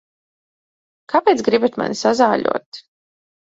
Kāpēc gribat mani sazāļot?